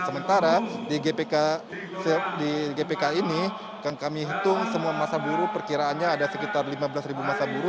sementara di gpk ini kami hitung semua masa buru perkiraannya ada sekitar lima belas ribu masa buru